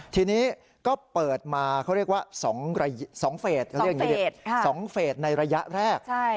ทีนี้ก็เปิดมาเขาเรียกว่า๒เฟสสองเฟสในระยะแรก